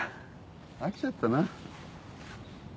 飽きちゃったな。